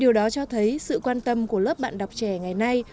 điều đó cho thấy sự quan tâm của lớp bạn đọc trẻ ngày nay